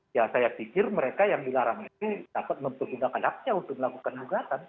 ya saya pikir mereka yang dilarang itu dapat mempergunakan aksinya untuk melakukan kegugatan